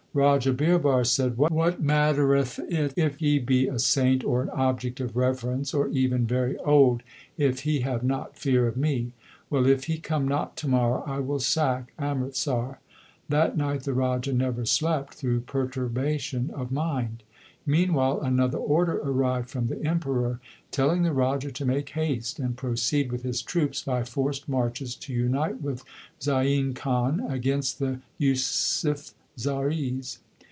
Raja Birbar said: What mattereth it if he be a saint or an object of reverence, or even very old, if he have not fear of me ? Well, if he come not to morrow, I will sack Amritsar. That LIFE OF GURU ARJAN 17 night the Raja never slept through perturbation of mind. Meanwhile another order arrived from the Emperor telling the Raja to make haste and proceed with his troops by forced marches to unite with Zain Khan against the Yusufzais.